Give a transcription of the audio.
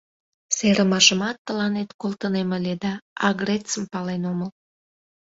Серымашымат тыланет колтынем ыле да, агрецым пален омыл.